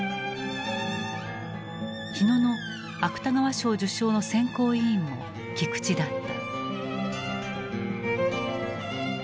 火野の芥川賞受賞の選考委員も菊池だった。